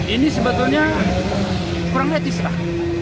ini sebetulnya kurang etis lah